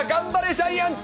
ジャイアンツ。